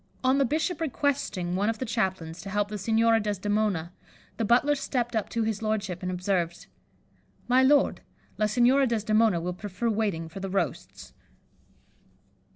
On the bishop requesting one of the chaplains to help the Signora Desdemona, the butler stepped up to his lordship, and observed, 'My lord, La Signora Desdemona will prefer waiting for the roasts.